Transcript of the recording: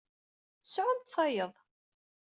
Sɛumt tayeḍ.